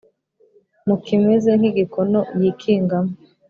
mu kimeze nk’igikono yikingamo